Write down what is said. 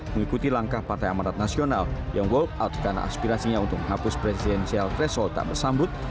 mengikuti langkah partai amanat nasional yang walk out karena aspirasinya untuk menghapus presidensial threshold tak bersambut